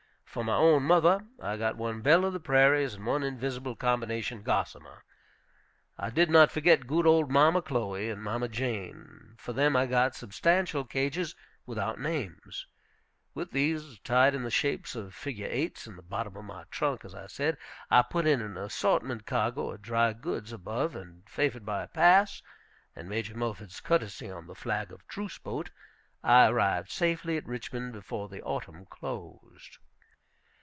For my own mother I got one "Belle of the Prairies" and one "Invisible Combination Gossamer." I did not forget good old Mamma Chloe and Mamma Jane. For them I got substantial cages, without names. With these, tied in the shapes of figure eights in the bottom of my trunk, as I said, I put in an assorted cargo of dry goods above, and, favored by a pass, and Major Mulford's courtesy on the flag of truce boat, I arrived safely at Richmond before the autumn closed.